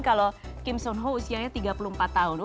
kalau kim so eun ho usianya tiga puluh empat tahun